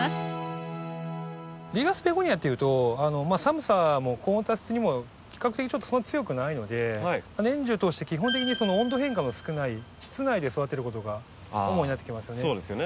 リーガースベゴニアっていうと寒さも高温多湿にも比較的ちょっとそんなに強くないので年中通して基本的に温度変化の少ない室内で育てることが主になってきますよね。